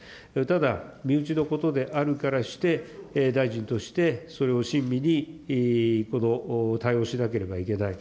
ただ、身内のことであるからして、大臣としてそれを親身に対応しなければいけない。